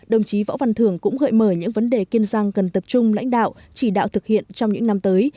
đồng chí võ văn thường cũng gợi mở những vấn đề kiên giang cần tập trung lãnh đạo chỉ đạo thực hiện trong những năm tới